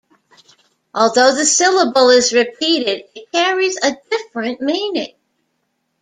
Although the syllable is repeated, it carries a different meaning.